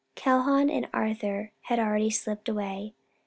Calhoun and Arthur had already slipped away.